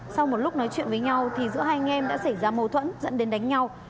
sau một lúc nói chuyện với nhau thì giữa hai anh em đã xảy ra mâu thuẫn dẫn đến đánh nhau